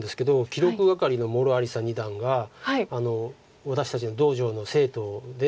記録係の茂呂有紗二段が私たちの道場の生徒で。